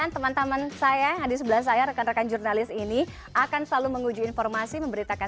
terima kasih untuk karya karya jurnalistik yang sudah kita lihat di live